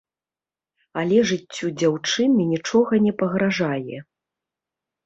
Але жыццю дзяўчыны нічога не пагражае.